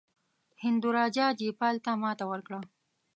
هندو راجا جیپال ته ماته ورکړه.